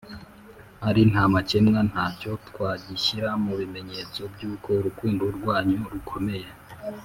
ari ntamakemwa nacyo twagishyira mu bimenyetso by’uko urukundo rwanyu rukomeye.